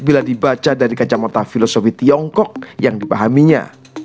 bila dibaca dari kacamata filosofi tiongkok yang dipahaminya